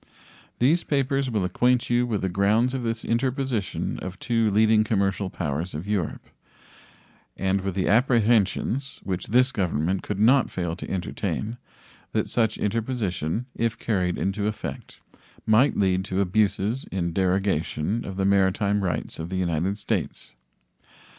These papers will acquaint you with the grounds of this interposition of two leading commercial powers of Europe, and with the apprehensions, which this Government could not fail to entertain, that such interposition, if carried into effect, might lead to abuses in derogation of the maritime rights of the United States.